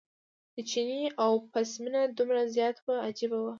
د چیني او پسه مینه دومره زیاته وه عجیبه وه.